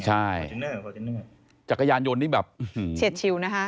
ใช่ฟอร์จุนเนอร์ฟอร์จุนเนอร์จักรยานยนต์นี่แบบเฉียดชิวนะคะ